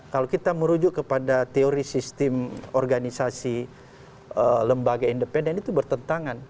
kalau kita merujuk kepada teori sistem organisasi lembaga independen itu bertentangan